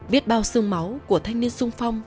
viết bao sương máu của thanh niên sung phong